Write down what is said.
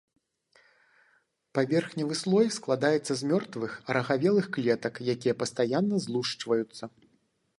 Паверхневы слой складаецца з мёртвых, арагавелых клетак, якія пастаянна злушчваюцца.